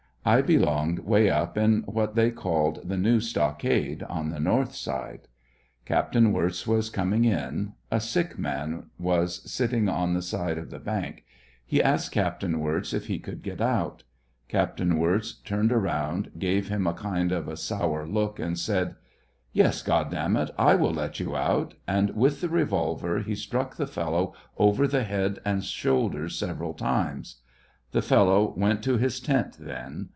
I belonged way np in what the; called the new stockade, on the north side. Captain Wirz was coming in ; a sick man wa sitting on the side of the bank ; he asked Captain Wirz if he could get out. Captain Wir turned around, gave him a kind of a sour look, and said, "Yes, God damn it ; I will let yoi out," and with the revolver he struck the fellow over the head and shoulders several times The fellow went to liis tent then.